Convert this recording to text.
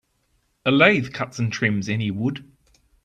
A lathe cuts and trims any wood.